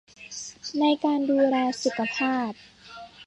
ในการดูแลสุขภาพ